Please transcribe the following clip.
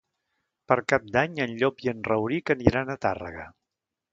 Per Cap d'Any en Llop i en Rauric aniran a Tàrrega.